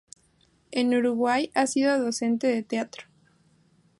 En Uruguay ha sido docente de teatro.